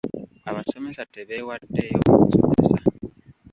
Abasomesa tebeewaddeeyo mu kusomesa.